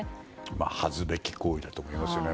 恥ずべき行為だと思いますよね。